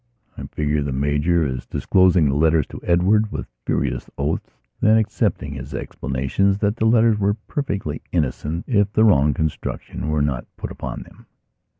I figure the Major as disclosing the letters to Edward with furious oaths, then accepting his explanations that the letters were perfectly innocent if the wrong construction were not put upon them.